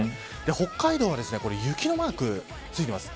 北海道は雪のマークついています